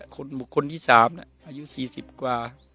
บุคคลที่๓อายุ๔๐กว่า